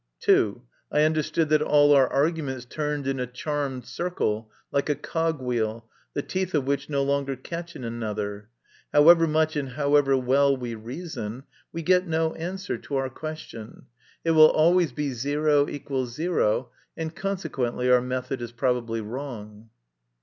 (2) I understood that all our arguments turned in a charmed circle, like a cogwheel, the teeth of which no longer catch in another. However much and however well we reason, we get no answer to our question ; it will always be MY CONFESSION. 93 = 0, and consequently our method is probably wrong.